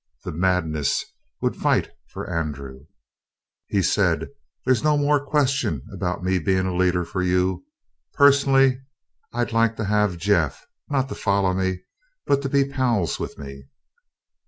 The madness would fight for Andrew. He said: "There's no more question about me being a leader for you. Personally, I'd like to have Jeff not to follow me, but to be pals with me."